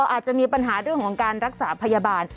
อาจจะมีปัญหาเรื่องของการรักษาพยาบาล